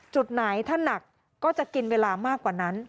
จุดไหนถ้าหนักก็จะกินเวลามากกว่านั้น